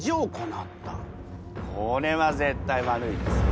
これは絶対悪いです。